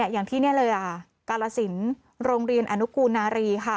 อย่างที่นี่เลยกาลสินโรงเรียนอนุกูนารี